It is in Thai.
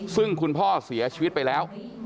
ซึ่งคุณพ่อเสียชีวิตไปแล้ว